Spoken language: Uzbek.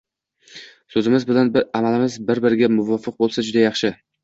So‘zimiz bilan amalimiz bir-biriga muvofiq bo‘lsa, juda yaxshi!